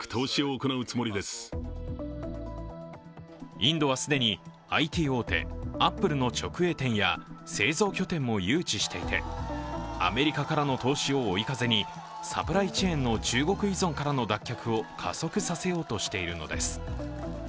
インドは既にＩＴ大手、アップルの直営店や製造拠点も誘致していてアメリカからの投資を追い風にサプライチェーンの中国依存からの脱却を加速させようとしているのです。